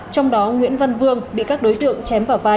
trong đó nguyễn văn vương bị các đối tượng chém vào vai